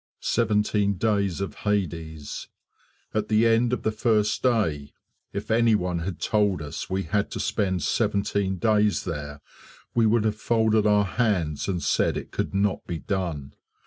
Seventeen days of Hades! At the end of the first day if anyone had told us we had to spend seventeen days there, we would have folded our hands and said it could not be done.